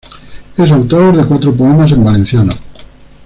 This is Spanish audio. Es autor de cuatro poemas en valenciano.